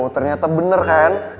ternyata bener kan